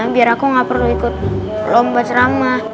biar aku nggak perlu ikut lomba ceramah